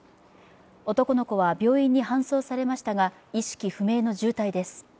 男の子は病院に搬送されましたが意識不明の重体です。